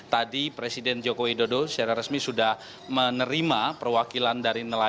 tadi presiden joko widodo secara resmi sudah menerima perwakilan dari nelayan